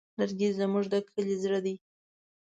لرګی زموږ د کلي زړه دی.